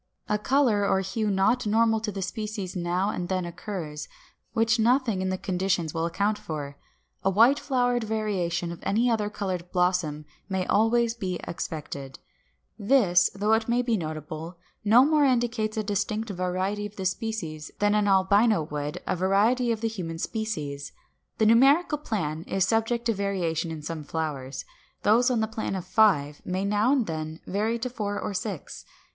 A color or hue not normal to the species now and then occurs, which nothing in the conditions will account for. A white flowered variation of any other colored blossom may always be expected; this, though it may be notable, no more indicates a distinct variety of the species than an albino would a variety of the human species. The numerical plan is subject to variation in some flowers; those on the plan of five may now and then vary to four or to six.